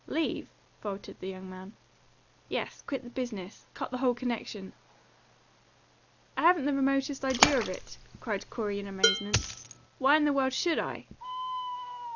"Leave?" faltered the young man. "Yes; quit the business? Cut the whole connection?" "I haven't the remotest idea of it!" cried Corey in amazement. "Why in the world should I?"